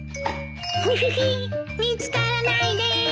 フフフ見つからないです。